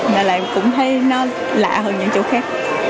mà lại cũng thấy nó lạ hơn những chỗ khác